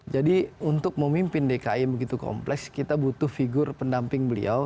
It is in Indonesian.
jadi untuk memimpin dki yang begitu kompleks kita butuh figur pendamping beliau